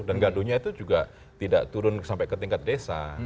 dan gaduhnya itu juga tidak turun sampai ke tingkat desa